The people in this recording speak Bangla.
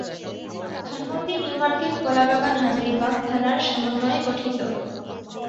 ধানমন্ডি-নিউমার্কেট-কলাবাগান-হাজারীবাগ থানার সমন্বয়ে গঠিত।